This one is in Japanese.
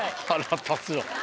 腹立つわ。